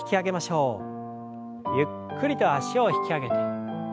ゆっくりと脚を引き上げて。